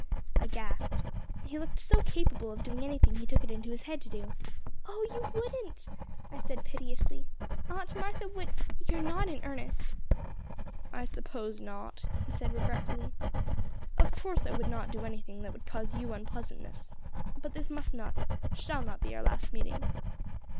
I gasped. He looked so capable of doing anything he took it into his head to do. "Oh, you wouldn't," I said piteously. "Aunt Martha would you are not in earnest." "I suppose not," he said regretfully. "Of course I would not do anything that would cause you unpleasantness. But this must not shall not be our last meeting."